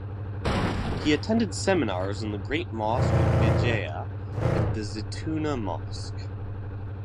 He attended seminars in the great mosque of Bejaia and the Zitouna mosque.